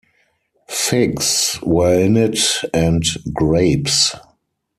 Figs were in it and grapes.